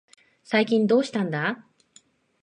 最近どうしたんだ。